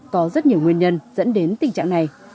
có rất nhiều nguyên nhân dẫn đến tình trạng này